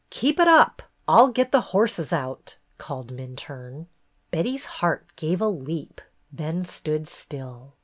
" Keep it up 1 I 'll get the horses out," called Minturne. Betty's heart gave a leap, then stood still.